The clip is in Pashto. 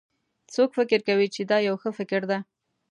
څوک فکر کوي چې دا یو ښه فکر ده